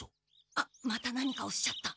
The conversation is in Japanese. あっまた何かおっしゃった。